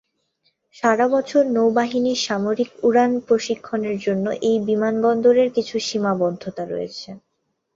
সারা বছর নৌবাহিনীর সামরিক উড়ান প্রশিক্ষণের জন্য এই বিমানবন্দরের কিছু সীমাবদ্ধতা রয়েছে।